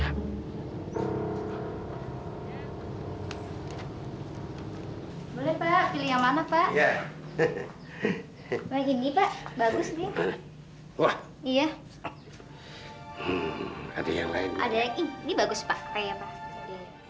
ada yang ini ini bagus pak